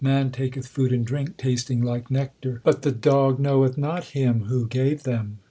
Man taketh food and drink tasting like nectar ; But the dog knoweth not Him who gave them.